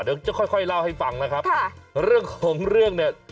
เดี๋ยวจะค่อยค่อยเล่าให้ฟังนะครับค่ะเรื่องของเรื่องเนี่ย